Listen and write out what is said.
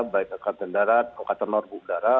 baik tni tnb